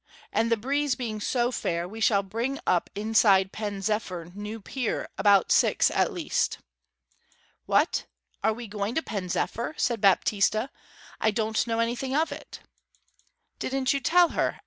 And the breeze being so fair we shall bring up inside Pen zephyr new pier about six at least.' 'What are we going to Pen zephyr?' said Baptista. 'I don't know anything of it.' 'Didn't you tell her?'